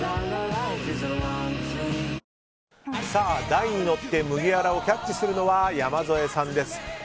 台に乗って麦わらをキャッチするのは山添さんです。